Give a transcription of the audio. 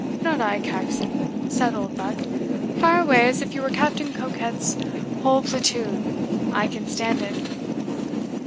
"Not I, Caxon," said Oldbuck; "fire away as if you were Captain Coquet's whole platoon I can stand it."